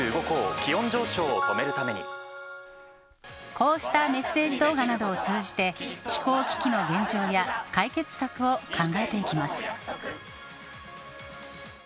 こうしたメッセージ動画などを通じて気候危機の現状や解決策を考えていきます。